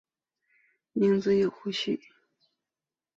宁有子胡虔。